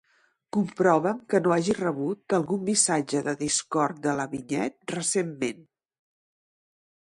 Comprova'm que no hagi rebut algun missatge de Discord de la Vinyet recentment.